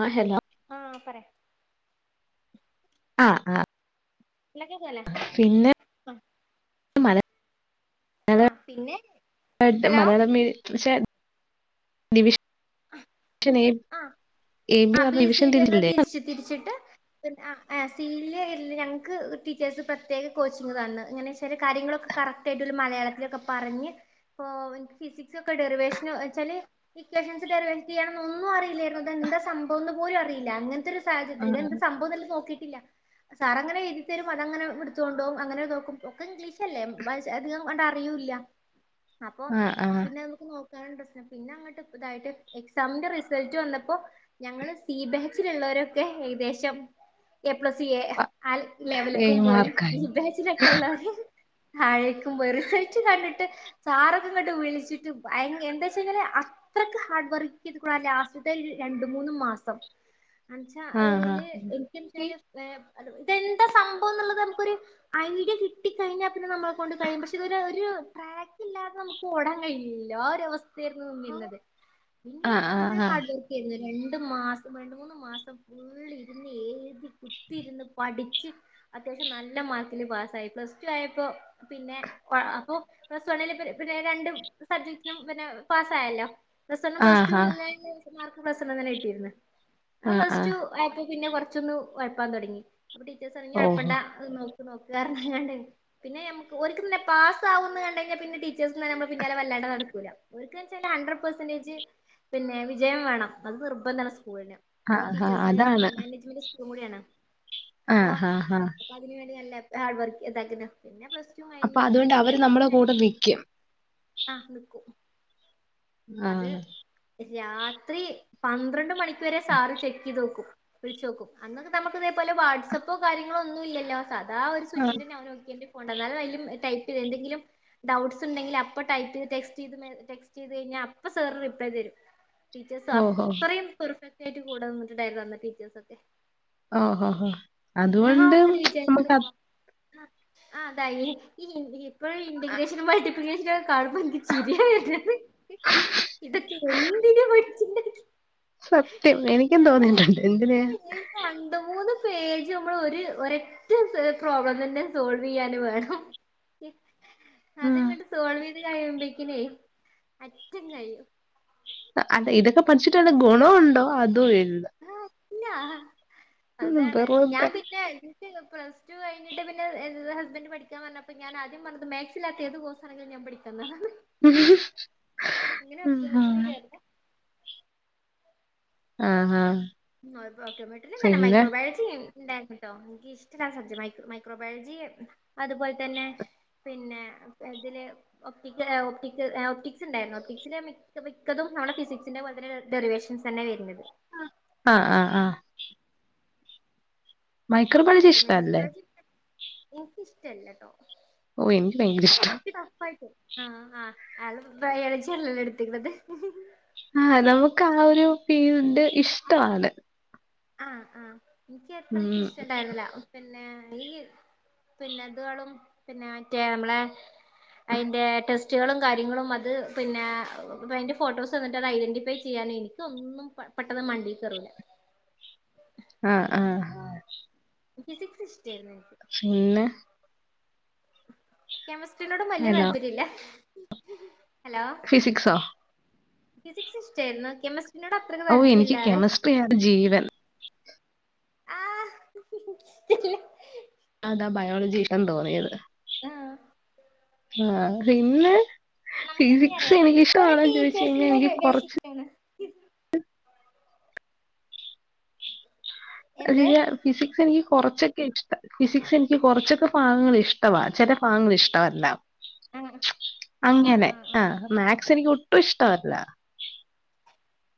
ആഹ് hello ആഹ് പറ ആഹ് ആഹ് എന്തൊക്കെ പോലെ പിന്നെ ആ [unintelligible] ആഹ് പിന്നെ [unintelligible] ഹലോ മലയാളം മി ശെ ഡിവിഷ ആഹ് എ ആ ബി പറഞ്ഞ ഡിവിഷൻ സീറ്റ് ങ്ങെ തിരിച്ചില്ലേ തിരിച്ച് തിരിച്ചിട്ട് ആഹ് സീലേയ്ർന്ന് ഞങ്ങക്ക് ടീച്ചേഴ്സ് പ്രത്യേക കോച്ചി തന്നു ങ്ങനെ ചില കാര്യങ്ങളൊക്കെ [unintelligible] കറക്റ്റ് ആയിട്ട് ഓല് മലയാളത്തിലൊക്കെ പറഞ്ഞ് ഇപ്പ എനി ഫിസിക്സ് ഒക്കെ ഡെറിവേഷൻ വെച്ചാല് ഇക്വേഷൻസ് ഡെറിവേഷൻ ചെയ്യാന്നു ഒന്നും അറിയില്ലായിരുന്നു തെന്താ സംഭവംന്ന് പോലും അയില്ലങ്ങൻത്തൊരു സാഹചര്യം ഇത് ആഹ് എന്ത സംഭവം നോക്കി [unintelligible] സാർ അങ്ങനെ എഴുതി തരും അതങ്ങനെ എടുത്തോണ്ട് പോവും അങ്ങനെ നോക്കും ഒക്കെ ഇംഗ്ലീഷ് അല്ലേ പക്ഷേ അധികം അങ്ങോട്ട അറിയൂല്ല [inaudible] അപ്പൊ ആഹ് പിന്നെ നമുക്ക് നോക്കാൻ പ്രശ്നം പിന്നെ അങ്ങോട്ട് ഇതായിട്ട് എക്സാമിന്റെ റിസ റിസൾട്ട് വന്നപ്പോ ഞങ്ങള് സി ബാച്ചിലുള്ളവർ ഒകെ ഏകദേശം എ പ്ലസ് എ ആഹ് ആ ലെവൽ ഏ ലേക്കും പോയി ബി മാർക്കായി ബാച്ചിലൊകെ ഉള്ളവര് ഹഴകുമ്പൊറു റിസൾട്ട് കണ്ടിട്ട് സാറൊക്കെ ഇങ്ങട്ട് വിളിച്ചിട്ട് ഭയ എന്താന്നു വെച്ചാല് ആ അത്രക്ക് ഹാർഡ് വർക്ക് ചെയ്തിട്ടുള്ളത ലാസ് [unintelligible] [unintelligible] രണ്ടു മൂന്ന് മാസം എന്നച്ചാ ആഹ് അല് എനിക്ക് വെച്ചല് [inaudible] ന്താ സംഭവം എന്നുള്ളത് നമുക്ക് ഒരു ഐഡിയ കിട്ടി കഴിഞ്ഞാൽ പിന്നെ നമ്മളെ കൊണ്ട് കഴിയും പക്ഷെ ഇത് ഒരു ഒരു പ്ര ഇല്ലാതെ നമുക്ക് ഓടാൻ കഴയില്ലല്ലോ ഒരവസ്ഥ ചേരുന്നതെന്നും ഇല്ലലെ പിന്നെ ആഹ് ഫുൾ ഹാർഡ് ആഹ് വർക്ക് ചെയ് രണ്ട് മാസം രണ്ട് മൂന്ന് മാസം ഫുൾ ഇരുന്ന് എഴുതി കുത്തി ഇരുന്ന് പഠിച്ച് അത്യാവശ്യം നല്ല മാർക്കില് പാസ്സായി പ്ലസ് ടു ആയപ്പോ പിന്നെ അപ്പോ പ്ലസ് വണ്ണില് പിന്നെ രണ്ട് സബ്ജക്ടിനും പിന്നെ പാസ് ആയല്ലോ പ്ലസ് വണ്ണും ആഹ് ആഹ് പ്ലസ് ആഹ് ആഹ് റ്റു വും എല്ലാവർക്കും പ്ലസ് എണ്ണം തന്നെ കിട്ടിയിരുന്നു ആ ആഹ് പ്ലസ് റ്റു ആഹ് ആയപ്പോ പിന്നെ കുറച്ചൊന്ന് ഒഴപ്പാൻ തുടങ്ങി അപ്പോ ടീച്ചേഴ്സ് പറഞ്ഞ് ഓഹോ ഒഴപ്പണ്ട നോക്കിയാർന്നു ഇണ്ടായിരുന്നു പിന്നെ നമുക്ക് ഒരിക്ക് പാസ് ആവും എന്ന് കണ്ട് കഴിഞ്ഞ പിന്നെ ടീച്ചേഴ്സ് നമ്മളെ പിന്നാലെ വരില്ല നടക്കുലാ ഒരിക്കന്ന്ച്ചാൽ ഹൺറെഡ് പേർസെൻ്റ്എജ് പിന്നെ വി വിജയം വേണം അത് നിർബന്ധണ് സ്കൂളിന് അല്ലേ ആഹ് ഹാ ടീച്ചേഴ്സിന് അതാണ് മാനേജ്മെന്റ് സ്കൂള് കൂടിയാണ് ആഹ് ആഹ് ആഹ് അപ്പൊ അതിന് വേണ്ടി എല്ലാം ഹാർഡ് വർക്ക് ചെയ്തേക്കുന്നെ പിന്നെ പ്ലസ് ടു അപ്പൊ കഴിഞ്ഞ് അതുകൊണ്ട് അവര് പിന്നെ നമ്മളെ ഫിസിക്സ് കൂടെ വലിയ നിക്കും ആ നിക്കും അത് ആഹ് രാത്രി പന്ത്രണ്ട് മണിക്ക് വരെ സാറ് ചെക്ക് ചെയ്ത് നോക്കും വിളിച്ചു നോക്കും അന്നൊക്കെ നമുക്ക് ഇതേപോലെ വാട്സ്സപ്പോ കാര്യങ്ങളോ ഒന്നും ഇലാലോ സദാ ഒരു സ്വിച്ചിൻ്റെ അവൻ നോക്കിയിണ്ട് കൊണ്ടുവന്നാലും [unintelligible] ടൈപ്പ് ചെയ്ത് എന്തെങ്കിലും ഡൗട്സ് ഉണ്ടെങ്കിൽ അപ്പോ ടൈപ്പ് ചെയ്ത് ടെസ്റ്റ് ചെയ്ത ടെസ്റ്റ്‌ ചെയ്ത് കയ്യ് നാ അപ്പോ സാറ് റിപ്ലേ തരും ടീച്ചേഴസ് ഓഹോ അത്രയും പെർഫെക്റ്റ് ആയിട്ട് കൂടെന്നിട്ടുണ്ടായിരുന്നു അന്ന് ടീച്ചേഴ്സ് ഒക്കെ ഓഹോ ഹോ അതുകൊണ്ട് അങ്ങനെ വിചാരിക്കും നമ്മുക്ക് അ ഇപ്പൊ ആ അതായിഈ ഇപ്പഴും ഇന്റിഗ്രേഷൻ ആയിട്ട് ഇൻ്റിഗ്രേഷൻ കാണുമ്പോ എനക് ചിരിയ വരിക ഇതൊക്കെ എന്തിന പോയി [unintelligible] സത്യം എനിക്കും തോന്നിട്ടുണ്ട് എന്തിന് രണ്ട് മൂന്ന് പേജ് നമ്മള് ഒരു ഒരൊറ്റ സ് പ്രോബ്ലം തന്നെ സോൾവ് ചെയ്യാന് വേണം അത് ആഹ് ഇങ്ങോട്ട് സോൾവ് ചെയ്ത് കഴിയുമ്പോഴേക്കില് അറ്റൻ കഴിയും അത ഇതൊക്കെ പഠിച്ചിട്ടാണ് ഗുണണ്ടോ അതും ഇല്ല ആഹ് ഇല്ല അതാണ് ഞാൻ വെറുതെ പിന്നെ [unintelligible] പ്ലസ് റ്റു കഴി കഴിഞ്ഞട്ട് പിന്നെ ഹസ്ബന്റ് പഠിക്കാൻ പറഞ്ഞപ്പോ ഞാൻ ആദ്യം പറഞ്ഞത് മാത്‌സ് ഇല്ലാത്ത ഏത് കോഴസ് ആണെിലും ഞാൻ പഠിക്കാം എന്ന പറഞ്ഞെ ഉ ഹ ഒപ്റ്റോമെട്രിക്ക് ചേർന്ന് ആഹ ആഹ ഓട്ടോമാട്രി തന്നെയല്ലേ മൈക്രോബായോജി ഉണ്ടാർന്നു ട്ടോ എനിക്ക് ഇഷ്ട്ടല്ലാ സബ്ജക്ട് മൈക്രോബയോളജി അതുപോലെ തന്നെ പിന്നെ അ അതില് ഒപ്റ്റിക്ക ഒപ്റ്റിക്ക്സ് ഉണ്ടായിരുന്നു ഒപ്റ്റിക്സിൽ മിക്കതും നമ്മടെ ഫിസിക്സി- വളരെ ഡെറിവേഷൻസന്നെ വരുന്നത് ആഹ് ആഹ് ആഹ മൈക്രബയോളജി ഇഷ്ടല്ലേ? എനിക്കിഷ്ടല്ലട്ടോ ഓ എനിക്ക് ഭയങ്കര ഇഷ്ട ടഫ് യിട്ട് ആ ആഹ് അത് ബയോളജി അല്ലെല്ലോ എടുത്തിരുന്നത് ഉം ആഹ് നമുക്ക് ആ ഒരു ഫീൽഡ് ഇഷ്ടമാണ് ആഹ് ആഹ എനിക്ക് അത്രയ്ക് ഉം ഇഷ്ടമണ്ടായിരുന്നില്ല പിന്നെ ഈ പിന്നെന്തളും [unintelligible] പിന്നെ മറ്റേ മ്മളെ അതിന്റെ ടെസ്റ്റ് ടെസ്റ്റുകളും കാര്യങ്ങളും അത് പിന്നെ അതിൻ്റെ ഫോട്ടോസ് എന്നിട്ട് അത് ഐഡൻറിഫൈ ചെയ്യാൻ എനിക്ക്‌ ഒന്നും പ പെട്ടെന്ന് മണ്ടേ കേറൂല [inaudible] ആ ആഹ ഫിസിക്സ്‌ ശ് ശ് പിന്നെ കെമിസ്ട്രീനോടും വലിയ ഹലോ താല്പര്യമില്ല ഫിസിക്സോ ഫിസിക്സ് ഇഷ്ടായിരുന്ന് കെമസ്ട്രി ഓ എനിക്ക് കെമിസ്ട്രിയിയാണ് ജീവൻ ആഹ് [unintelligible] അതാ ബയോളജിഷ്ടം തോന്നിയത്- ആ ആ ഹ് പിന്നെ നമുക്കെങ്ങനെ ഫിസിക്സ് അറിയാം ഒരു എനിക്കിഷ്ടണോന്ന് ചോദിച്ച് കഴിഞ്ഞാൽ ടീച്ചേഴ്സിന്റെ എനിക്ക് ബേസ് കുറച്ച് ചെയ്തിട്ടാണ് [unintelligible] എന്ത് അതിലെ ഫിസിക്സെനിക്ക് കൊറച്ചൊക്കെ ഇഷ്ട ഫിസിക്സ് എനിക്ക് കുറച്ചൊക്കെ ഭാഗങ്ങൾ ഇഷ്ടവ ചില ഭാഗങ്ങ ഇഷ്ടവല്ല ആ [unintelligible] ആ അങ്ങനെ- അ- മാത്‍സ് എനിക്ക് ഒട്ടും ഇഷ്ടമല്ല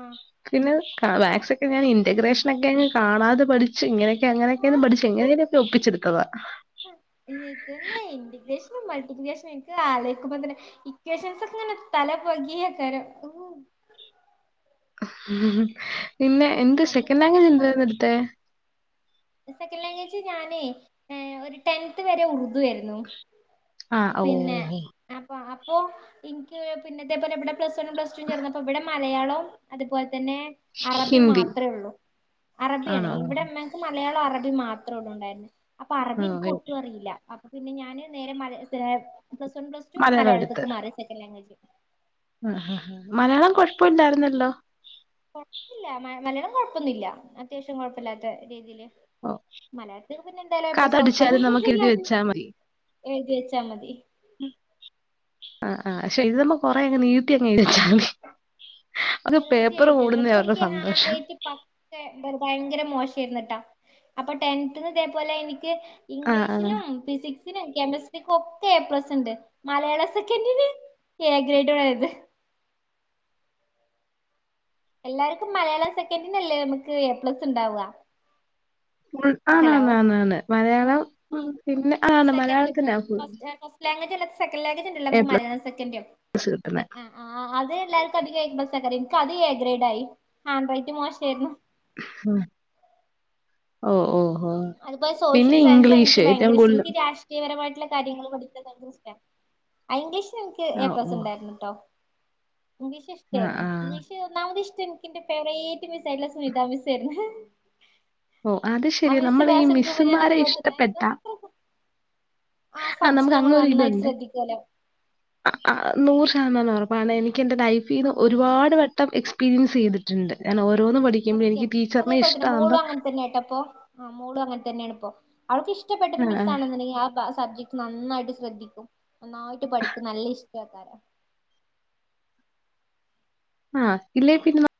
ഉം പിന്നെ ക മാത്‍സ് ക്കെ ഞാൻ ഇന്റഗ്രേഷൻ ക്കെങ് കാണാതെ പഠിച്ചു ഇങ്ങനെ അങ്ങനെയൊക്കെയന്ന് പഠിച്ചു എങ്ങനനൊക്കെ ആ ഒപ്പിച്ചെടുത്തതാ [inaudible] മൾട്ടിപ്ലിക്കേഷൻ ഇക്ക് അതിങ്ങനെ അലോയ്ക്കുമ്പോ തന്നെ എക്യുഷൻസ് ഒക്കെ തല പുകയാകരം [inaudible] എന്ത് അ സെക്കൻഡ് ലാംഗ്വേജ് കൊറച്ച് എന്തായിരുന്നു സമയം എടുത്തേ? സെക്കൻ് ലാംഗ്വേജ് ഞാനേ ഒരു ടെൻത് വരെ ഉറുദ് ആയിരുന്നു ആ ഓ പിന്നെ അപ്പൊ അ അപ്പോ നിക്ക് പിന്നെ ഇതേപോലെ ഇവിടെ പ്ലസ് വൺും പ്ലസ് ടു ചേർന്ന അപ്പോ ഇവിടെ മലയാളം അതുപോലെ ന്നേ അറബി ഹിന്ദി മാത്രമേ ഉള്ളൂ അറബിയാണ് ആണോ? ഇവിടെ മ്മക്ക് മ മലയാളം അറബി മാത്രേ ഉള്ള ഉണ്ടായിരുന്നു അപ്പൊ ഓ അറബി എനിക്ക് ഒട്ടും അറിയൂല്ല പിന്നെ ഞാന് നേരെ- [unintelligible] പ്ലസ് വൺ പ്ലസ് ടു മലയാളത്തേക്ക് മാറി സെക്കൻഡ് ലാംഗ്വേജ് അഹ്അ മലയാളം കൊഴപ്പമില്ലായിരുന്നല്ലോ കുഴപ്പൊന്നില്ല അത്യാവശ്യം കുഴപ്പമില്ലാത്ത രീതിയില് ഓ മലയാളത്തിൽ പിന്നെ എന്തായാലോ എ കഥ പ്ലസ് ഒറപ്പല്ലേ അടിച്ചാലും നമുക്ക് എഴുതി [unintelligible] വെച്ചാൽ മതി. ഏഴുതി വച്ചാ മതി ആഹ ആ പക്ഷെ ഇത് നമ്മ കൊറെ അങ് നീട്ടി അങ്ങ് ഴ് വെച്ചാ [inaudible] നീട്ടി എഴുതിയേക്കണേ ക്ഷേനിക്ക് ഹാൻഡ് സന്തോഷം. റൈറ്റിം പക്കെ ര്ന്ന് ഭയങ്കര മോശം ക്കെര്ന്ന്ട്ട അപ്പൊ ടെൻത്തിന് ഇതപോലെ എനിക്ക് ആ ആ ഇംഗ്ലീഷിനും ഫിസിക് [unintelligible] കെമിസ്ട്രിക്ക് ഒക്കെ എ പ്ലസ് ണ്ട് മലയാള സെക്കൻഡിന് ഏ ഗ്രേഡ്ത് [unintelligible] [inaudible] എല്ലാവര്ക്കും മലയാളം സെക്കൻറിന്ല്ലേ മ്മ്ക്ക് എ പ്ലസ് ഉണ്ടാവ് വ ഫുൾ അന്ന് അന്ന ന്ന് ന്ന് ആ മലയാളം- ആ പിന്നെ ആണ് മലയാളത്തിന്നാ ഫുൾ [unintelligible] സെക്കന്റ്‌ എ ലാംഗ്വേജ്ണ്ടല്ലോ മലയാള സെക്കന്റ് [unintelligible] പ്ലസ് കിട്ടുന്നെ ഉം ഉം അത് എല്ലാര് ക് അതിക് എപ്ലസ് [unintelligible] എനിക്ക് അത് എ ഗ്രേഡ ആയി ഹാൻഡ്‌വാറൈറ്റ് മോശായിര് ന്നു ഹും ഓ ഓ ഓ അതുപോലെ സോഷ്യൽ പിന്നെ സയൻസ് ഇംഗ്ലീഷ് എനി ഏറ്റവും ഭയങ്കര ഇഷ്ടം കൂടുതൽ എനിക്ക് രാഷ്ട്രീയപരയിട്ട് ല്ല കാര്യങ്ങള് പഠിച്ച പയങ്കര ഇഷ്ട [unintelligible] ഐഗ്ലീഷ് എനിക്ക് ആ ഏ പ്ലസ് ഓ ഉണ്ടായിരുന്ന്ട്ടോ ഇംഗ്ലീഷ് ആ ഷ്ടായിരുന്നു- ആ ഇംഗ്ലീഷ് [unintelligible] എനിക്കിന്റെ ഫോവറേ.... റ്റ് മിസ്സായിട്ട് ള്ള സുമിത മിസ്സ ആയിരുന്നു ഹ്.. ഓ അത് ശെരി നമ്മൾ ഈ ഞാൻ എന്റെ മിസ്സുമാരെ ഇഷ്ടപ്പെട്ട മുഖത്ത് നോക്കും ആ നമുക്ക് സബ്ജക്ട് നമ്മൾ അങ്ങോ നന്നായിട്ട് ഒരുതുണ്ട്--അ ശ്രദ്ധിക്കുമല്ലോ അ നൂ [unintelligible] ഉറപ്പാണെ എനിക്ക്എന്റെ ലൈഫീന്ന് ആ ഒരുപാട് വെട്ടം എക്സ്പീരിയൻസ്യ്തിട്ടുണ്ട് കാരണം ഒര- സത്യം അതേപോലെതന്നെമോളും അങ്ങൻതന്നെട്ടപ്പോ ആ മോളും അങ്ങൻതന്നെണ്പ്പോം. ക്ക്ഇഷ്ടപ്പെട്ടര് ആ ആ മിസ്സ്ആണന്ന്‌ണ്ടെങ്കി അ ബ സബ്ജക്ട്നന്നായിട്ട്ശ്രദ്ധിക്കും, നന്നായിട്ട്പഠിക്കും, നല്ലഇഷ്ടക്കാരം. [inaudible] ആഹ് ഇല്ലേപിന്നെ ന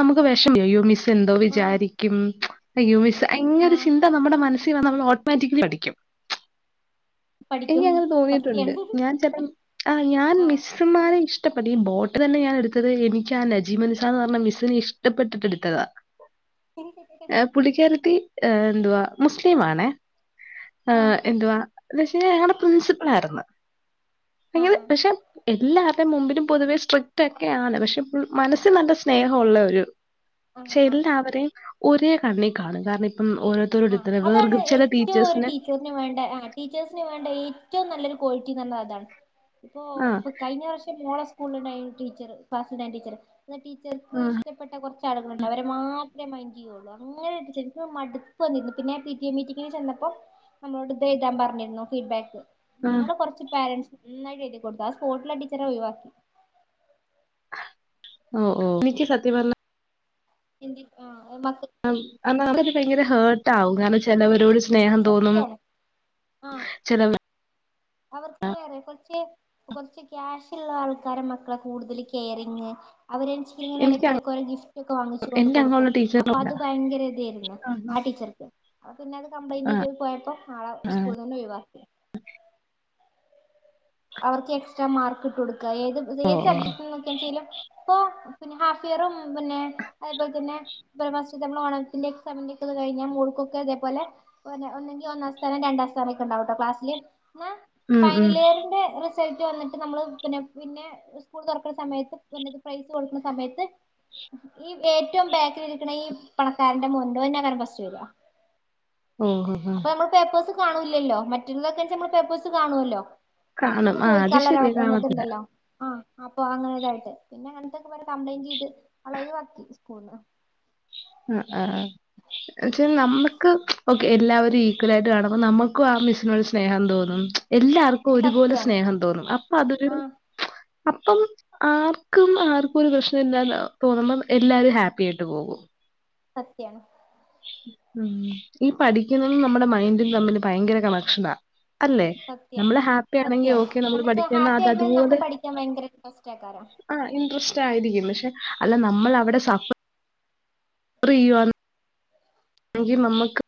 നമുക്ക് വിഷമം അ്യ്യോ ആ മിസ്സ്ന്തോവിചാരിക്കും പ്ച് അയ്യോമിസ്സ് ആ ങ്ങെരുചിന്ത മ്മുടെമനസ് [unintelligible] ഓട്ടോമാറ്റ്ക്കലിപഠിക്കും. പഠിക്കും എനിക്അങ്ങനെതോന്നിയിട്ടുണ്ട്. സത്യാണ് ഞാൻചില ആഞാൻ ആ മിസ്സ്ന്മാരെ ഇഷ ടപ്പെട്ട ഈബോട്ട്ന് തന്നെഞാൻ ടുത്തത് എനിക്കാനജീമന്സാന്ന്പറഞ്ഞ മിസ്സിന്ഇഷ്ടപ്പെട്ടിട്ട്ട്ത്തതാ എ പുള്ളിക്യാരത്തി എ ന്തുവാ.. മുസ്ലിംമാണേ. ആ ആഎന്തുവാ ന്ന്വച്ചാ ഞങ്ങ്ടെ പ്രിൻസിപ്പൾയിര്ന്ന് ആ എങ്ങനെ പക്ഷെഎല്ലാർ മുമ്പിലുംപൊതുവെസ്ട്രിക്റ്റ്ക്കെയാണ് പക്ഷെ മനസ്സിൽനല്ലസ്നേഹള്ളരു ആ ക്ഷെ ആ എല്ലാവരെയും ഒരേകണ്ണീകാണും കാരണം ഇപ്പം ആ ഓരോരുത്തരോരുത്തരെ വേർതിരി ചില അതാണ്ഏറ്റവുംഒരു ടീച്ചേഴ്സിന് ടീച്ചേർന് വേണ്ട ആടീച്ചേഴ്സിന് വേണ്ട ഏറ്റവും നല്ലൊരുക്വാളിറ്റിന്നതതാണ് പ്പൊ ആഹ് പ്പൊകഴിഞ്ഞ വർഷം മോളെ സ്കൂൾണ്ടായിനു ടീച്ചറ് ഫാസിനടീച്ചറ് ആഹ് ടീച്ചർക്ക്ഇഷ്ടപ്പെട്ടകൊർച്ച് ആളുകളുണ്ട് അവരെമാത്രേ മൈന്റെയൊള്ളൂ [unintelligible] വന്നിരുന്നു പിന്നെ പി ടി എമീറ്റിങ്ങിന്ചെന്നപ്പോ നമ്മളോട്ത്ഴുതാൻപറഞ്ഞിരുന്നു ഫീഡ്ബാക്ക് ആഹ് ഞങ്ങള്കൊറച്ച്പേരൻറ്സ് നന്നായിട്ട്എഴുതികൊടുത്തു ആ സ്പോട്ടിലടീച്ചറെഒഴിവാക്കി ഓ ഓ നിക്ക് സത്യംപറഞ്ഞാ [unintelligible] ഒ മുക്കത് ഭയങ്കരഹേർട്ട്അവും കാരണ ചിലവരോട് ചെല സ്നേഹംതോന്നും സത്യാണ് ചിലവ അവർക്ക്ങ്ങനേർയോ കൊർച്ച് കൊറച്ച്ക്യാഷ്ള്ള ആൾക്കാരെമക്കളെ കൂടുതല്കെയറിങ്ങ് [unintelligible] എനിക്ക് അങ്ങ ഇങ്ങനെഇടക്കിടക്ക് എന്റെ ഗിഫ്റ്റ്ക്കെവാങ്ങിച്ച്കൊണ്ട്കൊടുക്കും. അങ്ങനെയുള്ള ടീച്ചറില്ല. അപ്പൊത് ഭയങ്കരഇതായിരുന്നു ആഹ് ആടീച്ചർക്ക്. പിന്നത് കംപ്ലൈന്റ്യ്ത്പോയപ്പോ ആളെ സ്കൂൾന്നന്നെഒഴിവാക്കി. അവർക്ക് എക്സ്ട്രാമാർക്ക്ട്ട്കൊട്ക്ക ഏത് ഓഹ് ഓഹ് [unintelligible] ഇപ്പൊ പിന്നെഹാഫ്ഇയറും പിന്നെ അതേപോൽതന്നെ ഫസ്റ്റ്ത്തെമ്മളെ ഓണത്തിന്റെ എക്സാമിന്റെ ന്റക്കെ പോലെ കഴിഞ്ഞ മൂൾക്കൊക്കെതേപലെ ഒന്നെങ്കിൽഒന്നാംസ്ഥാനം രണ്ടാംസ്ഥാനക്കെ ഉണ്ടാവ്ട്ടോക്ലാസ്സില് ന്നാ ഉം ഉം ഫൈനൽഇയറിന്ന് സൾട്ട്‌വന്നിട്ട് നമ്മള്പിന്നെ പിന്നെസ്കൂൾ തുറക്ക്ണസമയത്ത് പിന്നെത്പ്രൈസ് കൊടുക്കണസമയത്ത് ഈ ഏറ്റവും ബേക്കിരിക്കണ ഈപണക്കാരന്റെ മോൻണ്ട് ഓനെന്നെങ്ങ ഫസ്റ്റ് വര ഓഹഹ കാണൂല്ലല്ലോ മറ്റുള്ളതെയ്‌ ച്ചാ നമ്മൾപേപ്പേഴ്സ്കാണുല്ലോ കാണും. ആഹ് അത് നമുക്ക്ചോദിക്കള്ള ശരിയാ ഒരിത് കാണത്തില്ല. ണ്ടല്ലോ [unintelligible] ആഹ അപ്പൊ അങ്ങനോതായിട്ട് പിന്നെ അങ്ങനത്തൊക്കെപോര് കംപ്ലൈന്റ്യ്ത് ആളെഒയിവാക്കിസ്കൂളന്ന് അഅആ ന്ന്ച്ചനമ്മുക്ക് ക്കെഎല്ലാരും ഈക്വലായിട്ട്കാണുമ്പോനമുക്കും ആ മിസ്സിനോട് സ്നേഹംതോന്നും എല്ലാർക്കും സത്യാണ് ഒരുപോലെസ്നേഹംതോന്നും അപ്പൊഅതൊരു ആഹ് അപ്പം ആർക്കും ആർക്കുംഒരു പ്രശ്ന ഇല്ലാന്ന്തോന്നുമ്പോഎല്ലാരും ഹാപ്പിആയിട്ട്പോകും സത്യാണ് ഉം ഈപഠിക്കുന്നതും നമ്മുടെമൈൻഡുംതമ്മില് ഭയങ്കരകണക്ഷന അല്ലെ സത്യ നമ്മള്ഹാപ്പിയണെങ്കി സത്യാണ് ഓക്കെ നമ്മൾ നമുക്ക് ഹാപ്പി പഠിക്കുന്നഅത് ആയിക്കഴിഞ്ഞ നമുക്ക് അതുപോലെ പഠിക്കാൻ ഭയങ്കര കഷ്ടക്കാരം ആ ഇൻട്രസ്റ്റ്ആയിരിക്കുംപക്ഷെ അല്ലനമ്മൾ അവിടെഷാ [unintelligible] [unintelligible] എങ്കി നമ്മക്ക്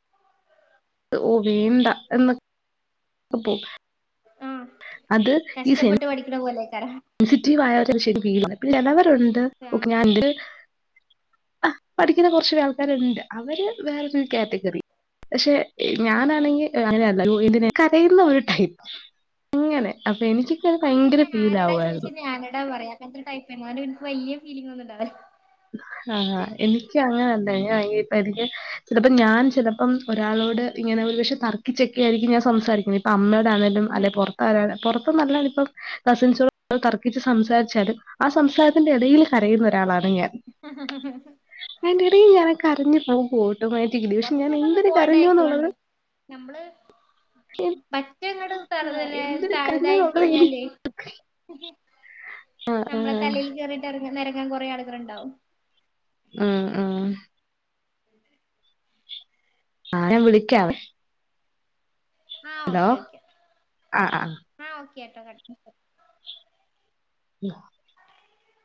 ഓവേണ്ട എന്ന അപോ ആ കഷ്ട്ടപ്പെട്ട്പഠിക്കണപോലെ സെൻസിറ്റീവായ ഒരു വിഷയ ഫീ പിന്ന ആഹ് [unintelligible] ആ പഠിക്ക്ണ കുറച്ച ആൾക്കാരുണ്ട് അവര് വേറൊരു കാറ്റഗറി പക്ഷെ ആഹ് ആഹ് ഞാനാണെങ്കി അങ്ങനെയല്ല [unintelligible] കരയുന്ന ഒരു ടൈപ്പ് അങ്ങനെ അപ്പൊ എനിക്കൊക്കത് അവൻ ഭയങ്കര പിന്നെ ഫീൽ ആരടാ ആവുാ ചോദിച്ചാ ഞാനടാ പറയാക്ക [unintelligible] ടൈപ്പേനു വലിയ ഫീലിംഗൊന്നുണ്ടാവില്ല. [inaudible] ഹഅ എനിക്കങ്ങനണ്ട് [unintelligible] എനിക്ക് ഇത്പ്പോ ഞാൻ ചിലപ്പം ഒരാളോട് ഇങ്ങനെ [unintelligible] ഒരു പക്ഷെ തർക്കിച്ചൊക്കെയായിരിക്കും ഞാൻ സംസാരിക്കുന്നെ ഇപ്പൊ അമ്മോടാണേലും അല്ലെ ആഹ് പുറത്താരോ പൊറ അത്ത്നല്ലനിപ്പം കസിൻസോ തർക്കിച്ച് സംസാരിച്ചാലും ആ സംസാരത്തിന്റെ ഇടയില് കരയുന്ന ഒരാളാണ് ഞാൻ എന്റെടെ ഞാനാ കരഞ്ഞു പോ മ്പോൾ ഓട്ടോമാറ്റിക്ക് പക്ഷെ ഞാൻ കൊറച്ചൊക്കെ ഒന്ന് എന്തിന ബോൾഡ് കരഞ്ഞുന്നുള്ളത് ആയിക്കോളണ്ട് നമ്മള് പറ്റങ്ങട് ആ [unintelligible] എന്തിന് കരഞ്ഞു ഇതായി എന്നുള്ളത് എനിക്ക് കഴിഞ്ഞാലേ ആ. ഞമ്മള തലയിൽ കേറിട്ട് ഇഎറങ്ങ നെരങ്ങ കൊറെേ ആളുകളുണ്ടാവും ആഹ് ആഹ് അ ഞാൻ വിളിക്കാവേ ആഹ് ഹലോ. ഓക്കെ ഓക്കെ ആ ആ. ആഹ് ഓക്കെട്ടോ കട്ട് [unintelligible]